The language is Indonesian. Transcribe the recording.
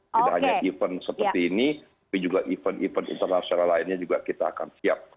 tidak hanya event seperti ini tapi juga event event internasional lainnya juga kita akan siap